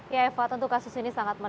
ya eva tentu kasus ini sangat menarik